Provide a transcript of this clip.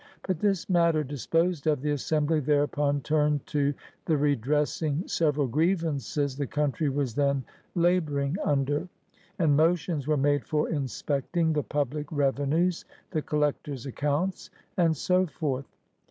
But this matter disposed of, the Assem bly thereupon turned to "the redressing several grievances the country was then labouring under; and motions were made for inspecting the public revenues, the collectors* accounts," and so forth.